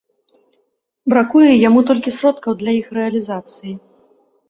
Бракуе яму толькі сродкаў для іх рэалізацыі.